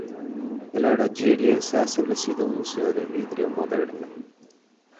En la Orangerie, se ha establecido un museo de vidrio moderno.